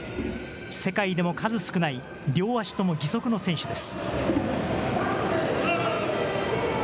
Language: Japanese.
世界でも数少ない両足とも義足の選手です。